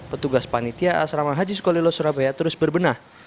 petugas panitia asrama haji sukolilo surabaya terus berbenah